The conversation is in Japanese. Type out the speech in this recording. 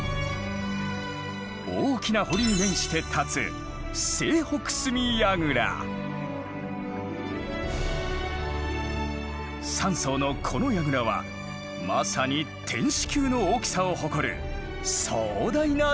大きな堀に面して立つ３層のこの櫓はまさに天守級の大きさを誇る壮大な建物。